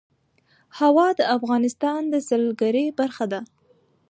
هوا د افغانستان د سیلګرۍ برخه ده.